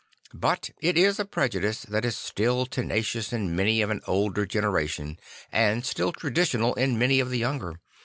But it is a prejudice that is still tenacious in many of an older generation and still traditional in many of the younger.